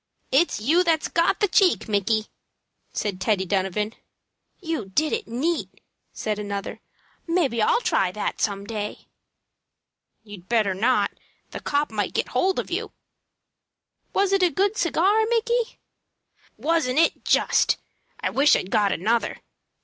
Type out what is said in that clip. "It's you that's got the cheek, Micky," said Teddy Donovan. "You did it neat," said another. "Maybe I'll try that same, some day." "You'd better not. The copp might get hold of you." "Was it a good cigar, Micky?" "Wasn't it, just! I wish I'd got another.